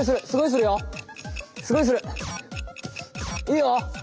いいよ。